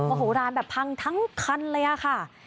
โหลานแบบพังทั้งคันเลยค่ะ